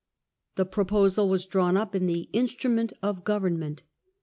The Proposal was drawn Smberie?*" "P '^^ the "Instrument of Government".